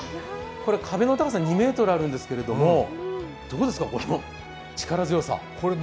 壁の高さ２ｍあるんですけども、どうですか、この力強さ。